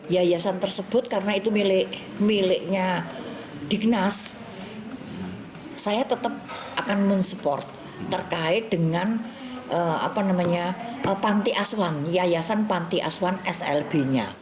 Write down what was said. yayasan tersebut karena itu miliknya dignas saya tetap akan mensupport terkait dengan panti asuhan yayasan panti asuhan slb nya